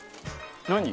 何？